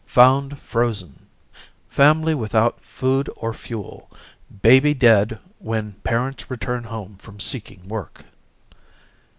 "Found Frozen. Family Without Food or Fuel. Baby Dead when Parents Return Home from Seeking Work."